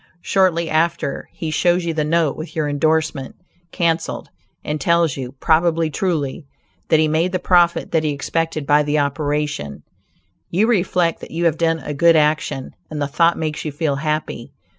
Shortly after, he shows you the note with your endorsement canceled, and tells you, probably truly, "that he made the profit that he expected by the operation," you reflect that you have done a good action, and the thought makes you feel happy.